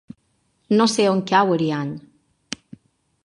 No sé on cau Ariany.